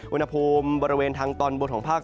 อุณหภูมิบริเวณทางตอนบนของภาค